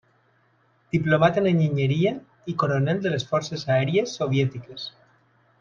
Diplomat en enginyeria i coronel de les Forces Aèries soviètiques.